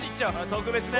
とくべつね。